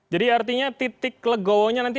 jadi artinya titik legonya nanti